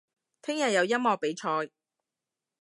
聽日有音樂比賽